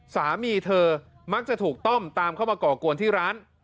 สามีเธอมักจะถูกต้อมตามเข้ามาก่อกวนที่ร้าน